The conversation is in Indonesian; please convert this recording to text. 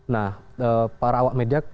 nah para awak media